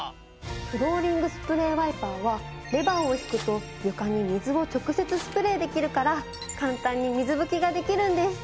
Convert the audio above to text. フローリングスプレーワイパーはレバーを引くと床に水を直接スプレーできるから簡単に水拭きができるんです。